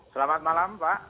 selamat malam pak